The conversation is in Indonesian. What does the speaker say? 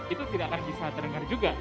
itu tidak akan bisa terdengar juga